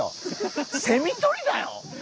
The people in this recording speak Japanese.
セミとりだよ？